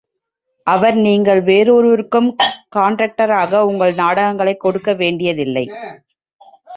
அவர், நீங்கள் வேறொருவருக்கும் கண்டிராக்டராக உங்கள் நாடகங்களைக் கொடுக்க வேண்டியதில்லை.